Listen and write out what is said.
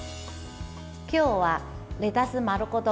今日はレタス丸ごと